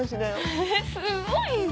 えすごいね。